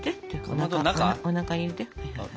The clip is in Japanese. おなかに入れて。